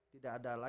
tidak ada lagi aturan